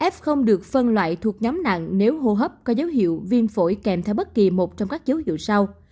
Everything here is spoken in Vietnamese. f không được phân loại thuộc nhóm nặng nếu hô hấp có dấu hiệu viêm phổi kèm theo bất kỳ một trong các dấu hiệu sau